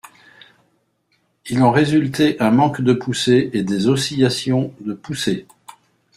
Il en résultait un manque de poussée et des oscillations de poussée.